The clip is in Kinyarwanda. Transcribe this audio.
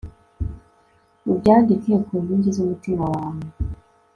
Ubyandike ku nkingi zumutima wawe